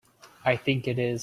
I think it is.